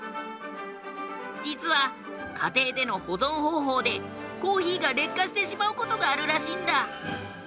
実は家庭での保存方法でコーヒーが劣化してしまう事があるらしいんだ。